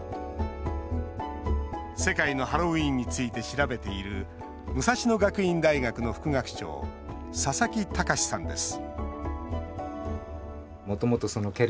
世界のハロウィーンについて調べている武蔵野学院大学の副学長佐々木隆さんです